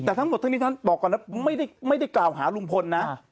แต่ทั้งหมดทั้งนี้ท่านบอกก่อนนะไม่ได้กล่าวหาลุงพลนะ